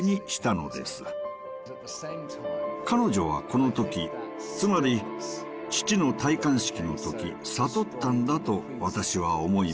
彼女はこの時つまり父の戴冠式の時悟ったんだと私は思います。